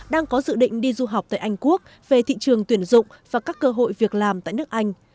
đang có dự định đi du học tại anh quốc về thị trường tuyển dụng và các cơ hội việc làm tại nước anh